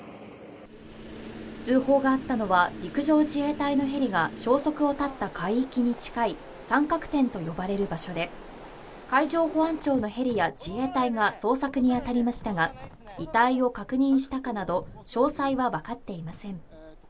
通報があったのは陸上自衛隊のヘリが消息を絶った海域に近い三角点と呼ばれる場所で、海上保安庁のヘリや自衛隊が捜索に当たりましたが遺体を確認したかなど詳細は分かっていません。